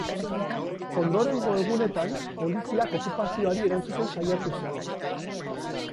Ondorengo egunetan, poliziak okupazioari erantzuten saiatu zen.